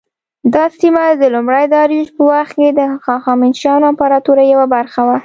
دا سیمه د لومړي داریوش په وخت کې د هخامنشیانو امپراطورۍ یوه برخه وه.